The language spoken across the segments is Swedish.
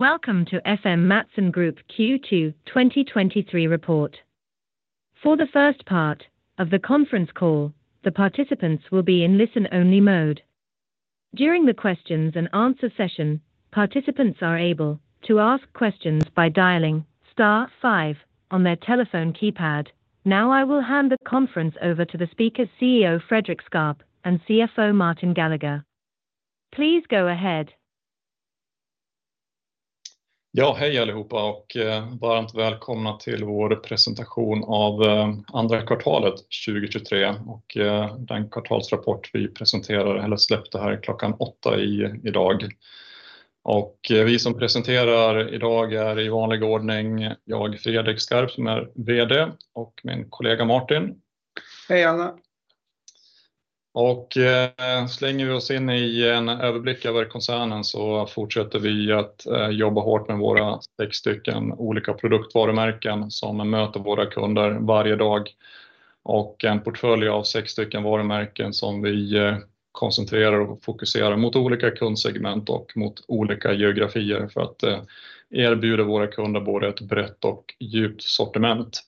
Welcome to FM Mattsson Group Q2 2023 report. For the first part of the conference call, the participants will be in listen only mode. During the questions and answer session, participants are able to ask questions by dialing star five on their telephone keypad. Now I will hand the conference over to the speaker, CEO Fredrik Skarp and CFO Martin Gallagher. Please go ahead. Ja, hej allihopa och varmt välkomna till vår presentation av andra kvartalet 2023 och den kvartalsrapport vi presenterar eller släppte här klockan åtta idag. Vi som presenterar idag är i vanlig ordning, jag, Fredrik Skarp, som är VD och min kollega Martin. Hej alla! Slänger vi oss in i en överblick över koncernen så fortsätter vi att jobba hårt med våra sex stycken olika produktvarumärken som möter våra kunder varje dag. En portfölj av sex stycken varumärken som vi koncentrerar och fokuserar mot olika kundsegment och mot olika geografier för att erbjuda våra kunder både ett brett och djupt sortiment.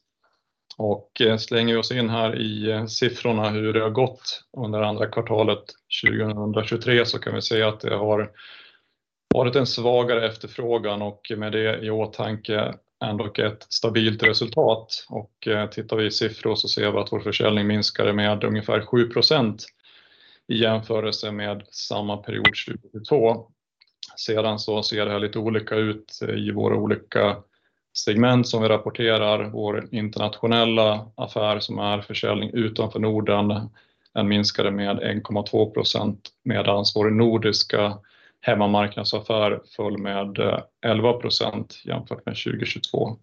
Slänger vi oss in här i siffrorna hur det har gått under andra kvartalet 2023, så kan vi se att det har varit en svagare efterfrågan och med det i åtanke, ändock ett stabilt resultat. Tittar vi i siffror så ser vi att vår försäljning minskade med ungefär 7% i jämförelse med samma period 2022. Sedan så ser det här lite olika ut i våra olika segment som vi rapporterar. Vår internationella affär, som är försäljning utanför Norden, den minskade med 1,2%, medan vår nordiska hemmamarknadsaffär föll med 11% jämfört med 2022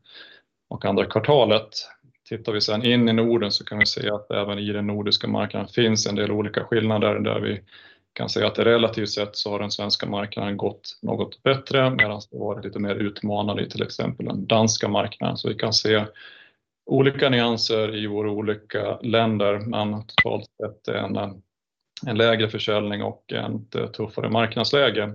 och andra kvartalet. Tittar vi sedan in i Norden så kan vi se att även i den nordiska marknaden finns en del olika skillnader, där vi kan säga att det relativt sett så har den svenska marknaden gått något bättre, medan det har varit lite mer utmanande i till exempel den danska marknaden. Vi kan se olika nyanser i våra olika länder, men totalt sett en lägre försäljning och en tuffare marknadsläge.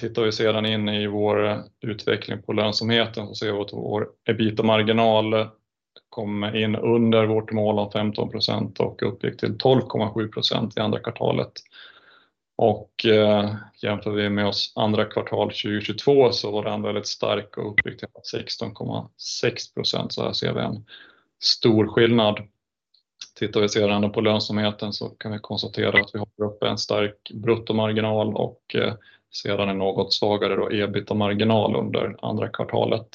Tittar vi sedan in i vår utveckling på lönsamheten så ser vi att vår EBITA-marginal kom in under vårt mål av 15% och uppgick till 12,7% i andra kvartalet. Jämför vi med andra kvartalet 2022 så var det ändå väldigt starkt och uppgick till 16,6%. Här ser vi en stor skillnad. Tittar vi sedan på lönsamheten så kan vi konstatera att vi håller uppe en stark bruttomarginal och sedan en något svagare EBITA-marginal under andra kvartalet.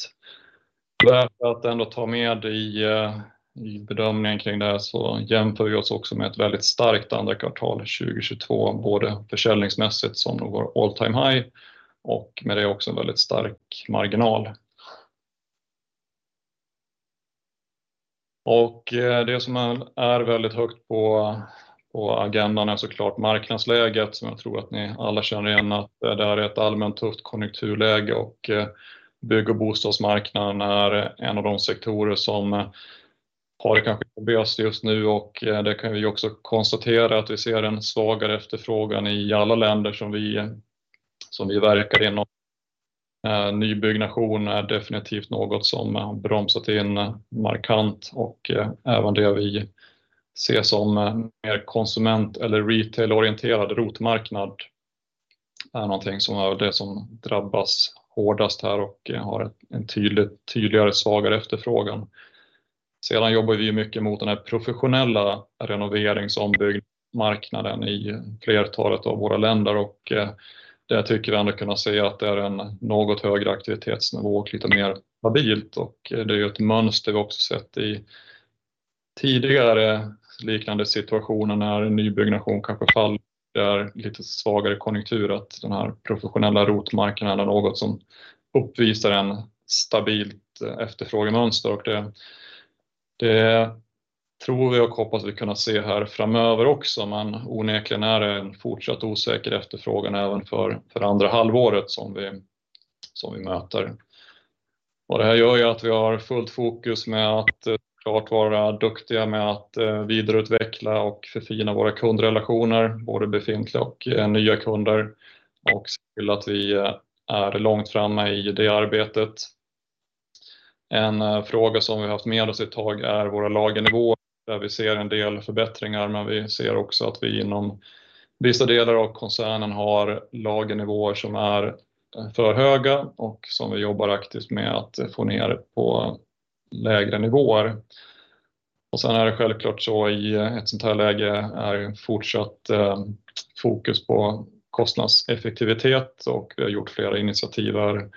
Värt att ändå ta med i bedömningen kring det här, så jämför vi oss också med ett väldigt starkt andra kvartal 2022, både försäljningsmässigt som vårt all time high och med det också en väldigt stark marginal. Det som är väldigt högt på agendan är så klart marknadsläget, som jag tror att ni alla känner igen, att det här är ett allmänt tufft konjunkturläge och bygg- och bostadsmarknaden är en av de sektorer som har det kanske tuffast just nu. Det kan vi också konstatera att vi ser en svagare efterfrågan i alla länder som vi verkar inom. Nybyggnation är definitivt något som bromsat in markant och även det vi ser som mer konsument eller retail orienterad ROT-marknad är någonting som är det som drabbas hårdast här och har en tydligt svagare efterfrågan. Sedan jobbar vi mycket mot den här professionella renoverings ombyggd marknaden i flertalet av våra länder och där tycker jag ändå kunna säga att det är en något högre aktivitetsnivå och lite mer stabilt. Det är ju ett mönster vi också sett i tidigare liknande situationer när nybyggnation kanske faller, är lite svagare konjunktur, att den här professionella ROT-marknaden är något som uppvisar en stabilt efterfrågemönster. Och det tror vi och hoppas vi kunna se här framöver också, men onekligen är det en fortsatt osäker efterfrågan även för andra halvåret som vi möter. Och det här gör ju att vi har fullt fokus med att så klart vara duktiga med att vidareutveckla och förfina våra kundrelationer, både befintliga och nya kunder, och se till att vi är långt framme i det arbetet. En fråga som vi haft med oss ett tag är våra lagernivåer, där vi ser en del förbättringar, men vi ser också att vi inom vissa delar av koncernen har lagernivåer som är för höga och som vi jobbar aktivt med att få ner på lägre nivåer. Och sen är det självklart så i ett sådant här läge är fortsatt fokus på kostnadseffektivitet och vi har gjort flera initiativ här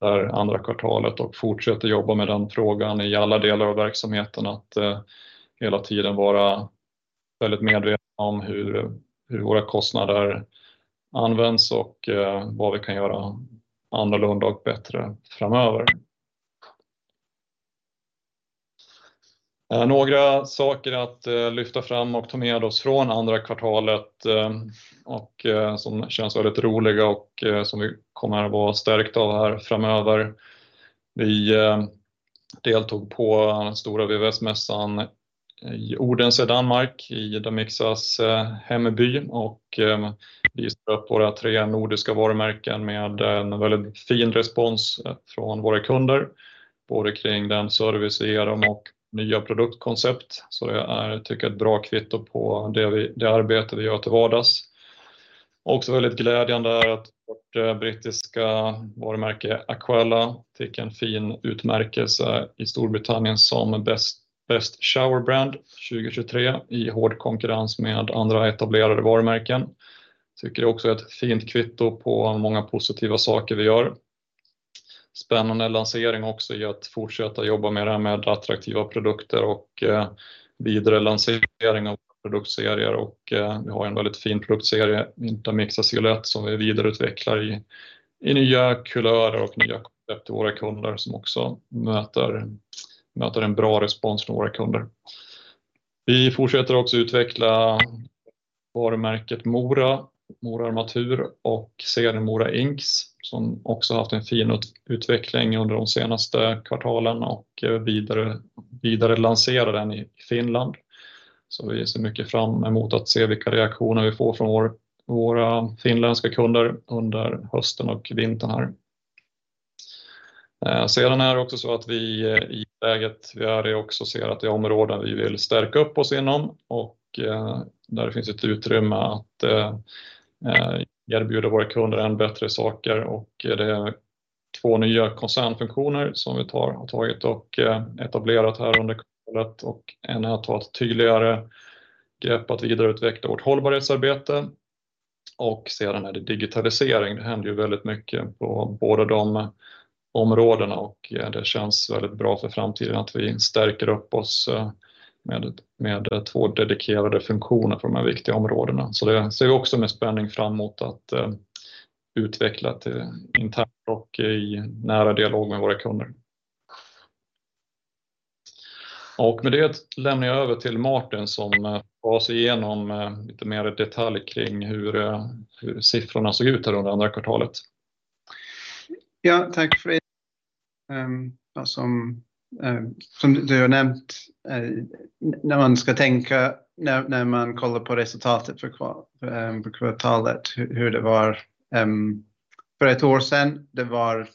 under andra kvartalet och fortsätter jobba med den frågan i alla delar av verksamheten. Att hela tiden vara väldigt medvetna om hur våra kostnader används och vad vi kan göra annorlunda och bättre framöver. Några saker att lyfta fram och ta med oss från andra kvartalet, och som känns väldigt roliga och som vi kommer att vara stärkta av här framöver. Vi deltog på stora VVS-mässan i Odense, Danmark, i Damixa's hemby och visade upp våra tre nordiska varumärken med en väldigt fin respons från våra kunder. Både kring den service vi ger dem och nya produktkoncept. Så det är, tycker jag, ett bra kvitto på det arbete vi gör till vardags. Också väldigt glädjande är att vårt brittiska varumärke Aquala fick en fin utmärkelse i Storbritannien som Best Shower Brand 2023, i hård konkurrens med andra etablerade varumärken. Tycker det är också ett fint kvitto på många positiva saker vi gör. Spännande lansering också i att fortsätta jobba med det här med attraktiva produkter och vidare lansering av produktserier och vi har en väldigt fin produktserie, Damixa Silhuett, som vi vidareutvecklar i nya kulörer och nya koncept till våra kunder, som också möter en bra respons från våra kunder. Vi fortsätter också utveckla varumärket Mora, Mora Armatur och sedan Mora Ings, som också haft en fin utveckling under de senaste kvartalen och vidare lanserar den i Finland. Vi ser mycket fram emot att se vilka reaktioner vi får från våra finländska kunder under hösten och vintern här. Sedan är det också så att vi i läget, vi är det också ser att det är områden vi vill stärka upp oss inom och där det finns ett utrymme att erbjuda våra kunder än bättre saker. Det är två nya koncernfunktioner som vi har tagit och etablerat här under kvartalet. En är att ta ett tydligare grepp att vidareutveckla vårt hållbarhetsarbete. Sedan är det digitalisering. Det händer ju väldigt mycket på både de områdena och det känns väldigt bra för framtiden att vi stärker upp oss med två dedikerade funktioner på de här viktiga områdena. Så det ser vi också med spänning fram mot att utveckla det internt och i nära dialog med våra kunder. Med det lämnar jag över till Martin, som tar oss igenom lite mer detalj kring hur siffrorna såg ut här under andra kvartalet. Ja, tack för det. Vad som, som du har nämnt, när man ska tänka, när man kollar på resultatet för kvartalet, hur det var för ett år sedan. Det var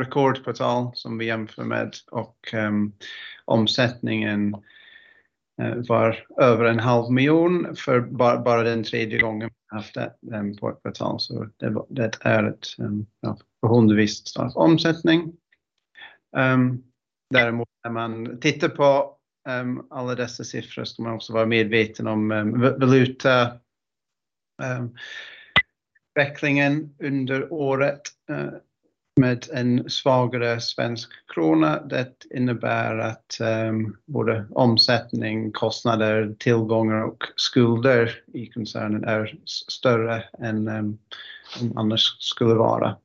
rekord på tal, som vi jämför med, och omsättningen var över en halv miljon för bara, bara den tredje gången efter på ett kvartal. Så det, det är ett beundransvärt av omsättning. Däremot, när man tittar på alla dessa siffror, ska man också vara medveten om valutautvecklingen under året med en svagare svensk krona. Det innebär att både omsättning, kostnader, tillgångar och skulder i koncernen är större än annars skulle vara.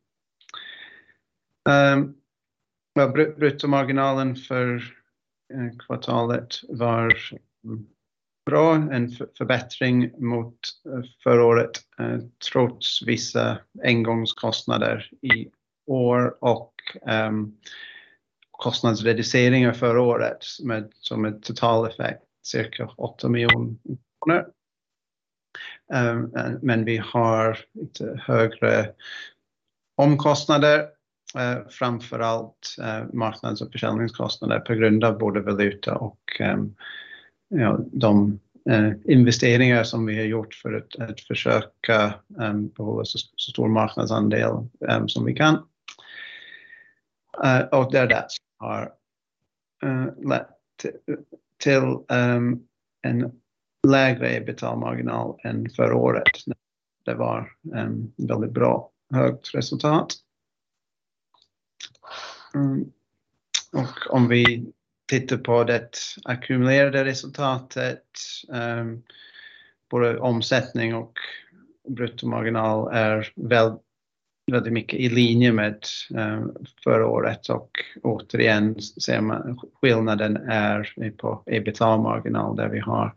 Ja, bruttomarginalen för kvartalet var bra, en förbättring mot förra året, trots vissa engångskostnader i år och kostnadsreduceringar för året med, som en total effekt, cirka 8 miljoner. Men vi har lite högre omkostnader, framför allt marknads- och försäljningskostnader, på grund av både valuta och de investeringar som vi har gjort för att försöka behålla så stor marknadsandel som vi kan. Det är det som har lett till en lägre EBITA-marginal än förra året. Det var ett väldigt bra, högt resultat. Om vi tittar på det ackumulerade resultatet, både omsättning och bruttomarginal är väldigt mycket i linje med förra året och återigen ser man skillnaden är på EBITA-marginal, där vi har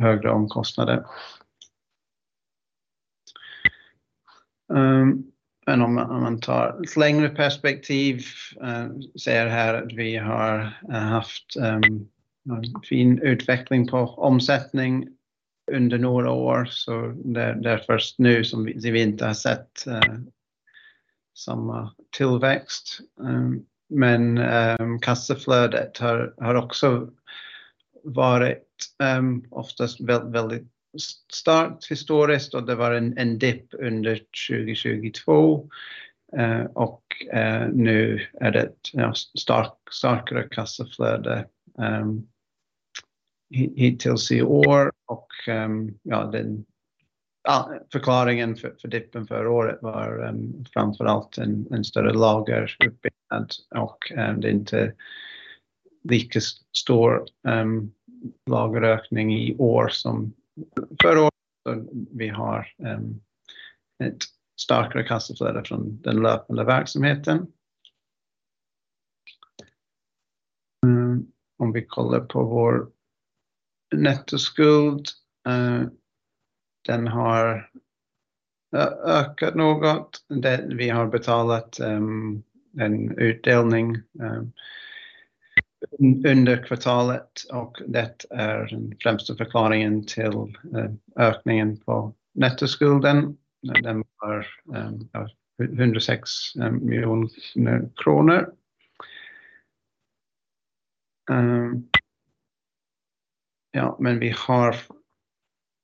högre omkostnader. Men om man tar ett längre perspektiv, ser här att vi har haft en fin utveckling på omsättning under några år. Så det är först nu som vi inte har sett samma tillväxt. Men kassaflödet har också varit oftast väldigt starkt historiskt och det var en dipp under 2022. Nu är det ett starkt, starkare kassaflöde hittills i år. Ja, förklaringen för dippen för året var framför allt en större lageruppbyggnad och det är inte lika stor lagerökning i år som förra året. Vi har ett starkare kassaflöde från den löpande verksamheten. Om vi kollar på vår nettoskuld, den har ökat något. Det vi har betalat en utdelning under kvartalet och det är den främsta förklaringen till ökningen på nettoskulden. Den var, ja, 106 miljoner kronor. Ja, men vi har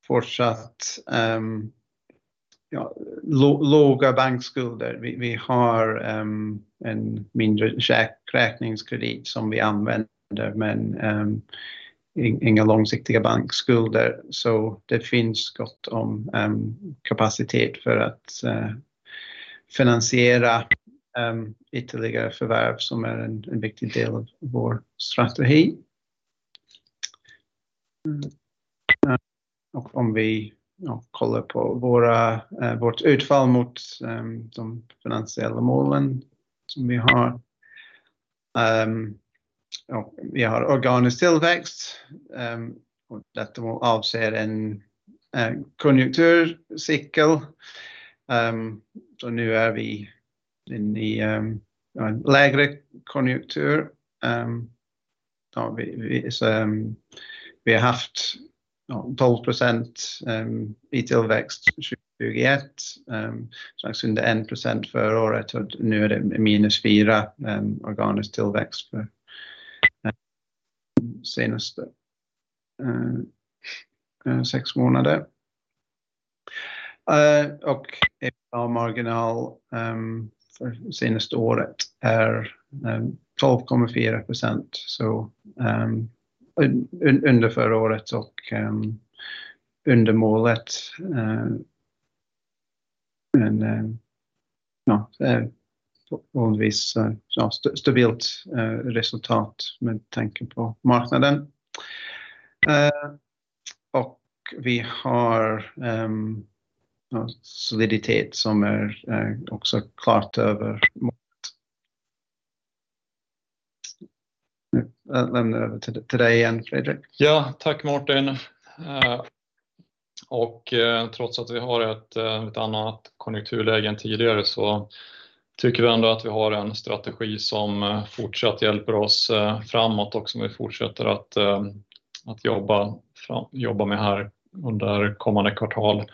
fortsatt, ja, låga bankskulder. Vi har en mindre checkräkningskredit som vi använder, men inga långsiktiga bankskulder. Så det finns gott om kapacitet för att finansiera ytterligare förvärv som är en viktig del av vår strategi. Om vi kollar på vårt utfall mot de finansiella målen som vi har. Vi har organisk tillväxt, och detta avser en konjunkturcykel. Nu är vi in i en lägre konjunktur. Vi har haft 12% i tillväxt tjugoett, strax under 1% förra året och nu är det minus 4% organisk tillväxt för senaste sex månader. En marginal för senaste året är 12,4%. Under förra året och under målet. Men det är på hållvis stabilt resultat med tanke på marknaden. Vi har soliditet som är också klart över målet. Nu lämnar jag över till dig igen, Fredrik. Ja, tack Martin. Och trots att vi har ett annat konjunkturläge än tidigare, så tycker vi ändå att vi har en strategi som fortsatt hjälper oss framåt och som vi fortsätter att jobba fram, jobba med här under kommande kvartal.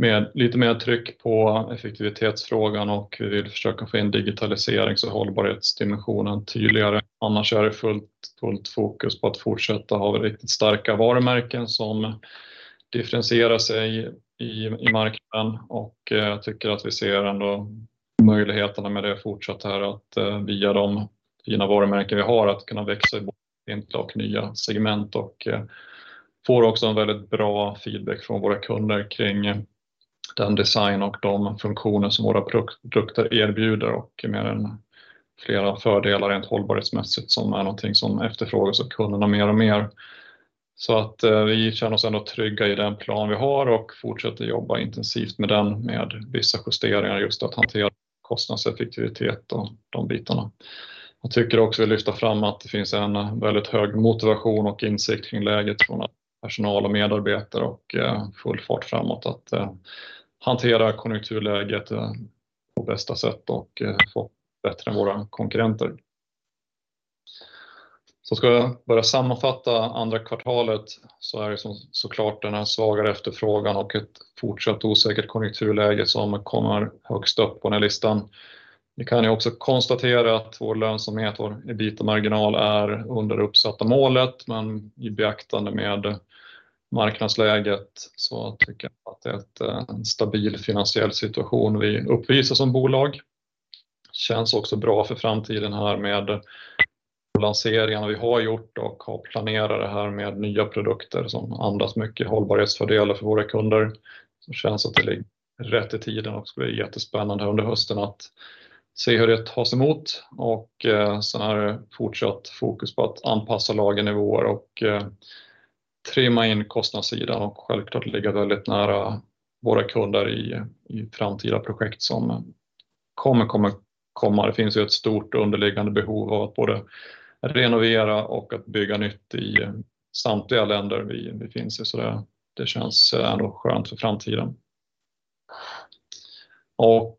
Med lite mer tryck på effektivitetsfrågan och vi vill försöka få in digitalisering så hållbarhetsdimensionen tydligare. Annars är det fullt fokus på att fortsätta ha riktigt starka varumärken som differentierar sig i marknaden och tycker att vi ser ändå möjligheterna med det fortsatt här, att via de fina varumärken vi har, att kunna växa i både och nya segment och får också en väldigt bra feedback från våra kunder kring den design och de funktioner som våra produkter erbjuder och med flera fördelar rent hållbarhetsmässigt, som är någonting som efterfrågas av kunderna mer och mer. Så att vi känner oss ändå trygga i den plan vi har och fortsätter jobba intensivt med den, med vissa justeringar, just att hantera kostnadseffektivitet och de bitarna. Jag tycker också vi lyfta fram att det finns en väldigt hög motivation och insikt kring läget från personal och medarbetare och full fart framåt, att hantera konjunkturläget på bästa sätt och få bättre än våra konkurrenter. Ska jag börja sammanfatta andra kvartalet, så är det såklart den här svagare efterfrågan och ett fortsatt osäkert konjunkturläge som kommer högst upp på den här listan. Vi kan ju också konstatera att vår lönsamhet, vår EBITA-marginal, är under det uppsatta målet, men i beaktande med marknadsläget så tycker jag att det är en stabil finansiell situation vi uppvisar som bolag. Känns också bra för framtiden här med lanseringarna vi har gjort och har planerat det här med nya produkter som andas mycket hållbarhetsfördelar för våra kunder. Känns att det ligger rätt i tiden och det blir jättespännande under hösten att se hur det tas emot. Sen är det fortsatt fokus på att anpassa lagernivåer och trimma in kostnadssidan och självklart ligga väldigt nära våra kunder i framtida projekt som kommer. Det finns ju ett stort underliggande behov av att både renovera och att bygga nytt i samtliga länder vi finns i, så det känns ändå skönt för framtiden.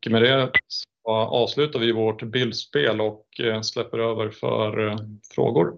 Med det så avslutar vi vårt bildspel och släpper över för frågor.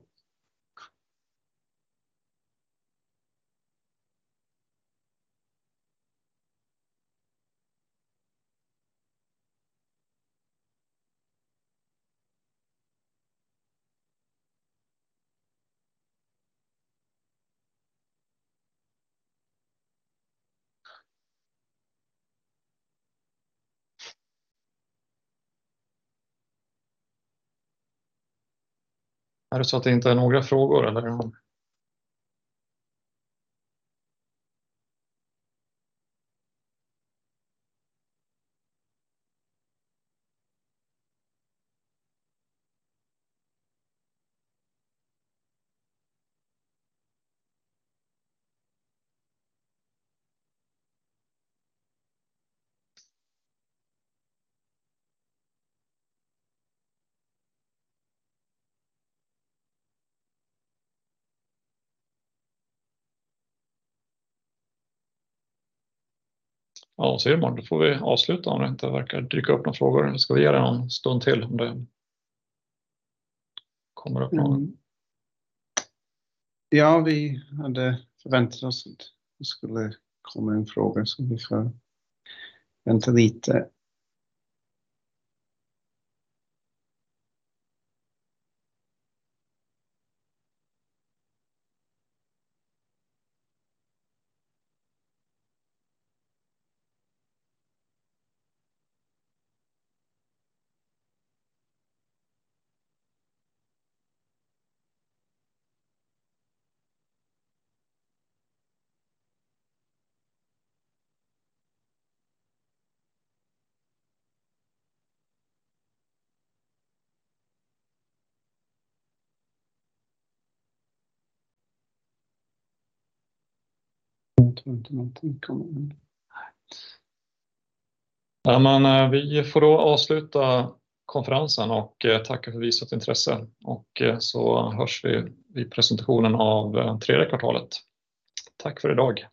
Är det så att det inte är några frågor eller? Ja, ser man på. Då får vi avsluta om det inte verkar dyka upp några frågor. Ska vi ge det någon stund till om det kommer upp någon? Ja, vi hade förväntat oss att det skulle komma en fråga så vi får vänta lite. Det kommer inte någonting kommer... Nej men, vi får då avsluta konferensen och tacka för visat intresse och så hörs vi i presentationen av tredje kvartalet. Tack för i dag!